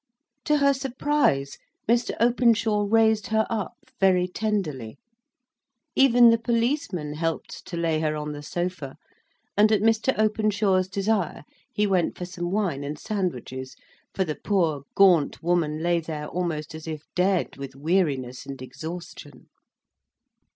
To her surprise, Mr. Openshaw raised her up very tenderly. Even the policeman helped to lay her on the sofa; and, at Mr. Openshaw's desire, he went for some wine and sandwiches; for the poor gaunt woman lay there almost as if dead with weariness and exhaustion.